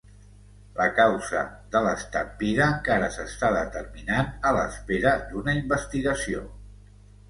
La causa de l'estampida encara s'està determinant a l'espera d'una investigació.